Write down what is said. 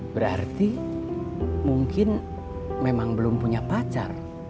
berarti mungkin memang belum punya pacar